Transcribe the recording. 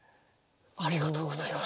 ありがとうございます。